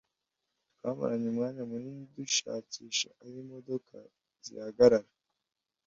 Twamaranye umwanya munini dushakisha aho imodoka zihagarara.